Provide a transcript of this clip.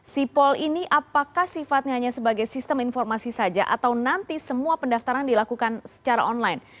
sipol ini apakah sifatnya hanya sebagai sistem informasi saja atau nanti semua pendaftaran dilakukan secara online